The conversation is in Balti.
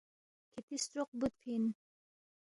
کِھتی ستروق بُودفی اِن